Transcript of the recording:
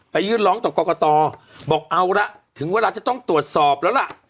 ยื่นร้องต่อกรกตบอกเอาละถึงเวลาจะต้องตรวจสอบแล้วล่ะ